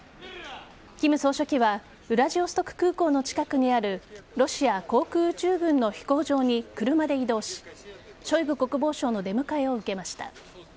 金総書記はウラジオストク空港の近くにあるロシア航空宇宙軍の飛行場に車で移動しショイグ国防相の出迎えを受けました。